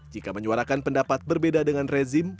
jika menyuarakan pendapat berbeda dengan rezim